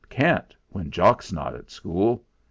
"Can't, when Jock's not at school.